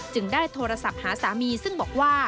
ได้โทรศัพท์หาสามีซึ่งบอกว่า